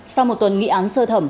sau một tuần nghị án sơ thẩm